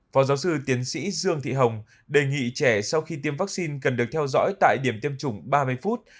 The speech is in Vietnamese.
phó giáo sư tiến sĩ dương thị hồng đề nghị trẻ sau khi tiêm vaccine cần được theo dõi tại điểm tiêm chủng ba mươi phút